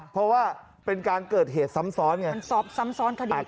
เพราะว่าเป็นการเกิดเหตุซ้ำซ้อนไงมันซบซ้ำซ้อนคดี